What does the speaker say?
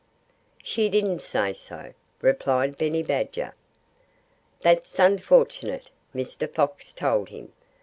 "She didn't say," replied Benny Badger. "That's unfortunate," Mr. Fox told him.